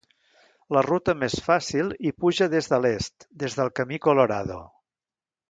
La ruta més fàcil hi puja des de l'est, des del camí Colorado.